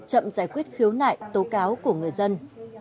chậm giải quyết khiếu nại tố cáo của người dân